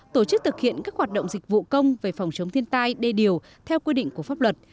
tổ chức thực hiện các hoạt động dịch vụ công về phòng chống thiên tai đê điều theo quy định của pháp luật